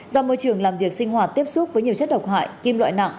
do môi trường làm việc sinh hoạt tiếp xúc với nhiều chất độc hại kim loại nặng